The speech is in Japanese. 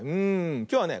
きょうはね